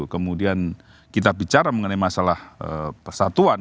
kemudian kita bicara mengenai masalah persatuan